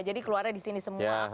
jadi keluarnya disini semua